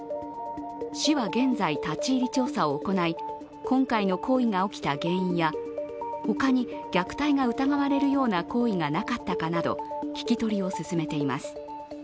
市は現在、立ち入り調査を行い、今回の行為が起きた原因や他に虐待が疑われるような行為がなかったなど聞き取りを進めています。